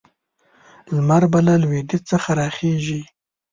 لمر به له لویدیځ څخه راخېژي.